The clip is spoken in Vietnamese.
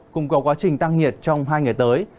cùng có quá trình tăng nhiệt trong hai ngày tới